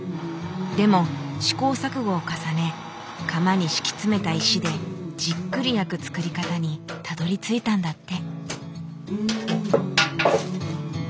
でも試行錯誤を重ね窯に敷き詰めた石でじっくり焼く作り方にたどりついたんだって。